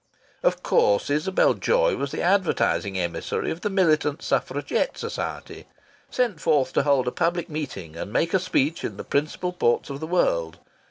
Of course! Isabel Joy was the advertising emissary of the Militant Suffragette Society, sent forth to hold a public meeting and make a speech in the principal ports of the world.